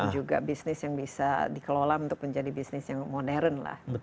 juga bisnis yang bisa dikelola untuk menjadi bisnis yang modern lah